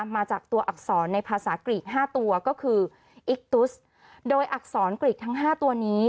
มาจากตัวอักษรในภาษากรีกห้าตัวก็คืออิกตุสโดยอักษรกรีกทั้ง๕ตัวนี้